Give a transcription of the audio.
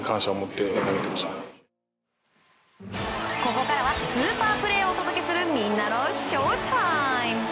ここからはスーパープレーをお届けするみんなのＳＨＯＷＴＩＭＥ！